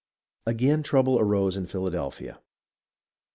Again trouble arose in Philadelphia.